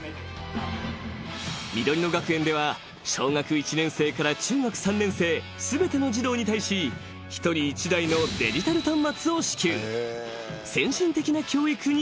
［みどりの学園では小学１年生から中学３年生全ての児童に対し１人１台のデジタル端末を支給］